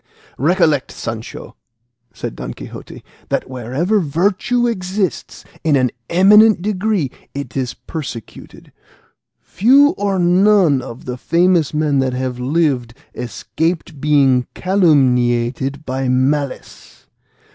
"Recollect, Sancho," said Don Quixote, "that wherever virtue exists in an eminent degree it is persecuted. Few or none of the famous men that have lived escaped being calumniated by malice.